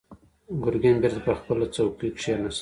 ګرګين بېرته پر خپله څوکۍ کېناست.